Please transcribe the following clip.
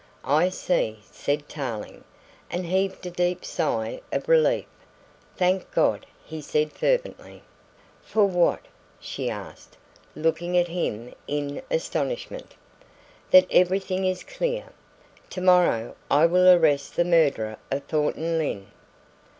"I see," said Tarling, and heaved a deep sigh of relief. "Thank God!" he said fervently. "For what?" she asked, looking at him in astonishment. "That everything is clear. To morrow I will arrest the murderer of Thornton Lyne!"